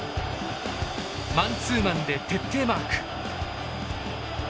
マンツーマンで徹底マーク。